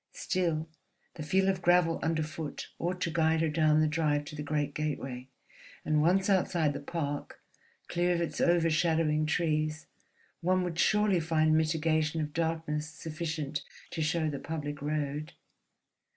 Still, the feel of gravel underfoot ought to guide her down the drive to the great gateway; and once outside the park, clear of its overshadowing trees, one would surely find mitigation of darkness sufficient to show the public road.